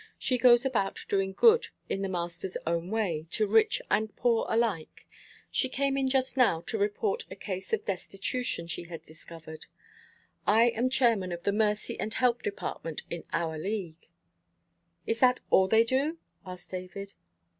She goes about doing good in the Master's own way, to rich and poor alike. She came in just now to report a case of destitution she had discovered. I am chairman of the Mercy and Help Department in our League." "Is that all they do?" asked David.